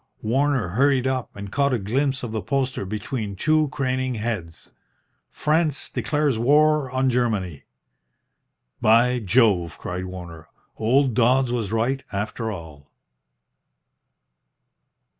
Warner hurried up and caught a glimpse of the poster between two craning heads "FRANCE DECLARES WAR ON GERMANY." "By Jove!" cried Warner. "Old Dodds was right, after all."